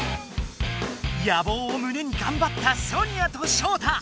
やぼうをむねにがんばったソニアとショウタ。